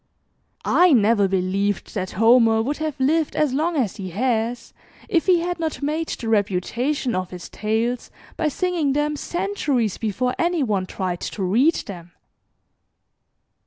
I never believed that Homer would have lived as long as he has, if he had not made the reputation of his tales by singing them centuries before any one tried to read them.